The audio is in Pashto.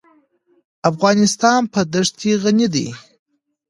افغانستان په دښتې غني دی.